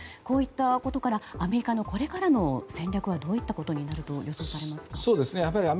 こうしたことからアメリカのこれからの戦略はどういったことになると予想されますか。